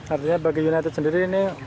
artinya bagi united sendiri ini